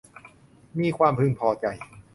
มีความพึงพอใจ